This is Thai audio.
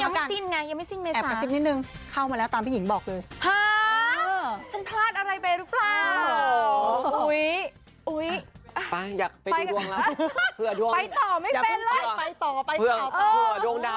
ว่าจะมีหนุ่มเข้ามาช่วงเดือนเมษา